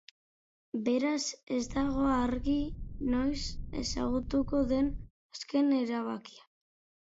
Beraz, ez dago argi noiz ezagutuko den azken erabakia.